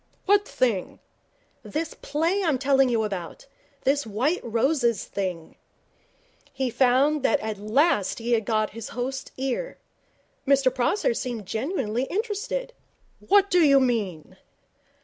'What thing?' 'This play I'm telling you about. This White Roses thing.' He found that he had at last got his host's ear. Mr Prosser seemed genuinely interested. 'What do you mean?'